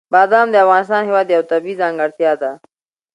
بادام د افغانستان هېواد یوه طبیعي ځانګړتیا ده.